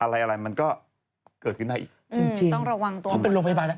อะไรมันก็เกิดขึ้นได้อีกจริงต้องระวังตัว